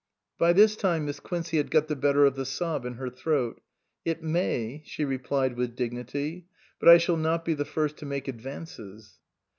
By this time Miss Quincey had got the better of the sob in her throat. " It may," she replied with dignity ;" but I shall not be the first to make advances."